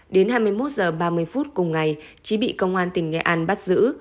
đến hai mươi một h ba mươi phút cùng ngày trí bị công an tỉnh nghệ an bắt giữ